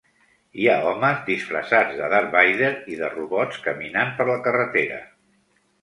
Hi ha homes disfressats de Darth Wader i de robots caminant per la carretera.